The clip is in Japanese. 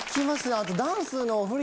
あとダンスの振り